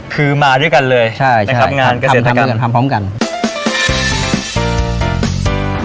คือมาด้วยกันเลยนะครับงานเกษตรกรรมนะครับทำพร้อมกันคือมาด้วยกันเลยนะครับงานเกษตรกรรม